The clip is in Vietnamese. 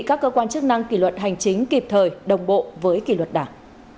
các cơ quan chức năng kỷ luật hành chính kịp thời đồng bộ với kỷ luật đảng